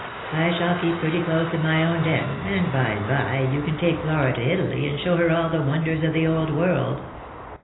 I shall keep pretty close in my own den, and by and by you can take Flora to Italy, and show her all the wonders of the Old World.